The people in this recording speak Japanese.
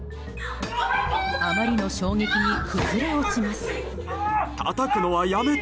あまりの衝撃に崩れ落ちます。